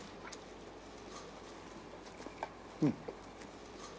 うん。